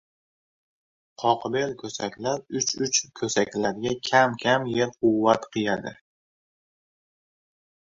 Qoqbel ko‘saklar uch-uch ko‘saklarga kam-kam yer quvvat qiyadi.